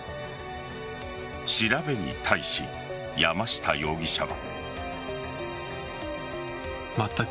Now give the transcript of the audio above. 調べに対し、山下容疑者は。